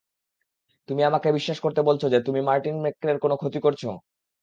তুমি আমাকে বিশ্বাস করতে বলছো যে, তুমি মার্টিন মেক্রের কোন ক্ষতি করেছো?